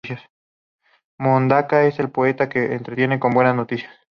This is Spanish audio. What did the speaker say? Mondaca no es el poeta que entretiene con buenas noticias.